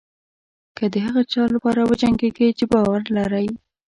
که د هغه څه لپاره وجنګېږئ چې باور لرئ.